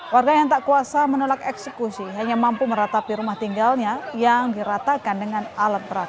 warga yang tak kuasa menolak eksekusi hanya mampu meratapi rumah tinggalnya yang diratakan dengan alat berat